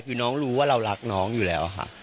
คือน้องรู้ว่าเรารักน้องอยู่แล้วค่ะ